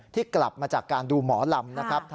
กลับมาจากการดูหมอลำนะครับ